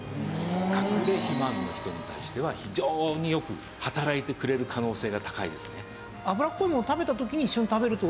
かくれ肥満の人に対しては非常によく働いてくれる可能性が高いですね。